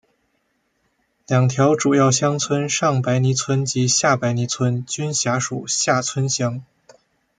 两条主要乡村上白泥村及下白泥村均辖属厦村乡。